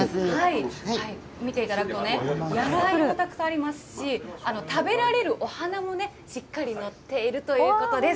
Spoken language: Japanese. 見ていただくとね、野菜もたくさんありますし、食べられるお花もね、しっかり載っているということです。